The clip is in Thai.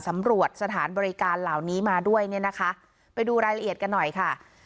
สำรวจสถานบริการเหล่านี้มาด้วยเนี่ยนะคะไปดูรายละเอียดกันหน่อยค่ะ